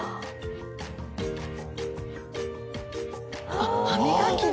あっ歯磨きだ。